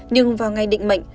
nhưng vào ngày định mệnh